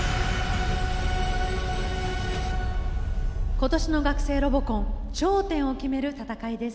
今年の学生ロボコン頂点を決める戦いです。